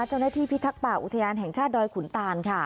เจ้าหน้าที่พิทักปะอุทยานแห่งชาติดอยขุนตานค่ะ